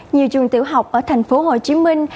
nhiều trường tiểu học ở thành phố hồ chí minh